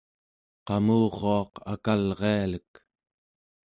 qamuruaq akalrialek